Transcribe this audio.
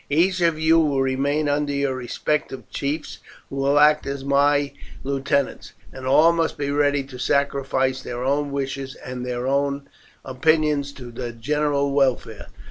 Each of you will remain under your respective chiefs, who will act as my lieutenants, and all must be ready to sacrifice their own wishes and their own opinions to the general welfare.